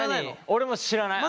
俺も知らない。